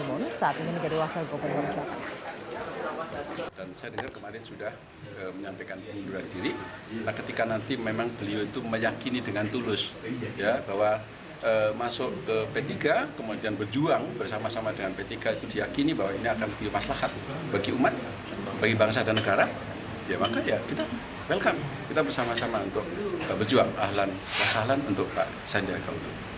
wajah yasin maimun saat ini menjadi wakil gubernur jawa tengah